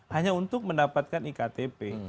hanya untuk mendapatkan iktp